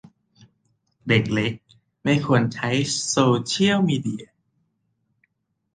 เด็กเล็กไม่ควรใช้โซเชียลมีเดีย